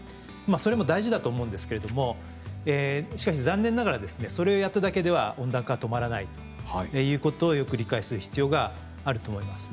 それも大事だと思うんですけれどもしかし残念ながらですねそれをやっただけでは温暖化は止まらないということをよく理解する必要があると思います。